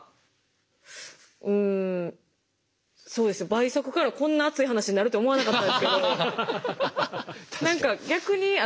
倍速からこんな熱い話になるって思わなかったですけど。